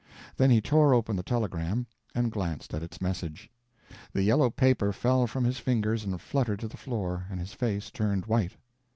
Then he tore open the telegram and glanced at its message. The yellow paper fell from his fingers and fluttered to the floor, and his face turned white.